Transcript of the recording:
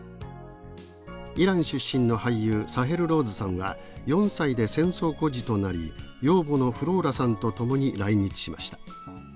イラン出身の俳優サヘル・ローズさんは４歳で戦争孤児となり養母のフローラさんと共に来日しました。